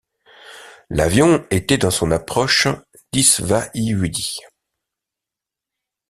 L'avion était dans son approche d'Iswahyudi.